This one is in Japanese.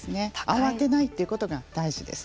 慌てないということが大事です。